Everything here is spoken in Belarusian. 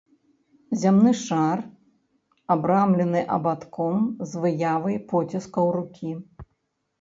Зямны шар абрамлены абадком з выявай поціскаў рукі.